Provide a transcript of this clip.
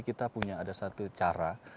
kita punya ada satu cara